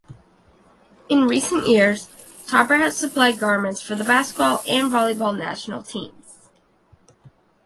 In recent years, Topper has supplied garments for the basketball and volleyball national teams.